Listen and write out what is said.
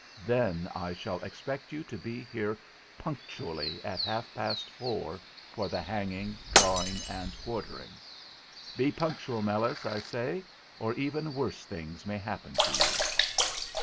Then I shall expect you to be here punctually at half past four for the hanging, drawing, and quartering. Be punctual, Meles, I say, or even worse things may happen to you."